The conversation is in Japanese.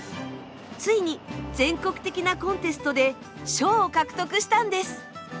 ついに全国的なコンテストで賞を獲得したんです。